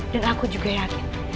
dan aku juga yakin